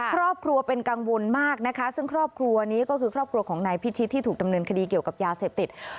ครอบครัวเป็นกังวลมากนะคะซึ่งครอบครัวนี้ก็คือครอบครัวของนายพิชิตที่ถูกดำเนินคดีเกี่ยวกับยาเสพติด